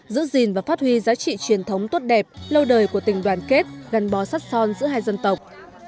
giữ gìn và phát huy giá trị truyền thống tốt đẹp lâu đời của tình đoàn kết gắn bó sắt son giữa hai dân tộc